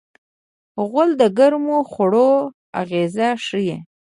غول د ګرمو خوړو اغېز ښيي.